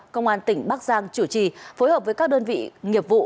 công an tỉnh bắc giang chủ trì phối hợp với các đơn vị nghiệp vụ